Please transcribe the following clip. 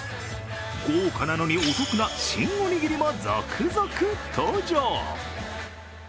豪華なのにお得な新おにぎりも続々登場。